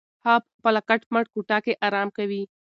هغه په خپله کټ مټ کوټه کې ارام کوي.